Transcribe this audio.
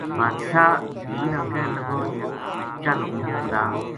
بادشاہ دھی نا کہن لگو چل ہن خدا